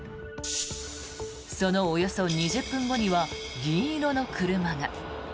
そのおよそ２０分後には銀色の車が。